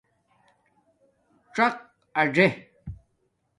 څَق اَژے